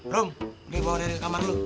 rung bawa dia ke kamar dulu